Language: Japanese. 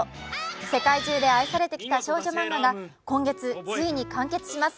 世界中で愛されてきた少女漫画が今月、ついに完結します。